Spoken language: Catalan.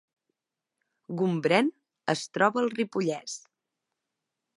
Gombrèn es troba al Ripollès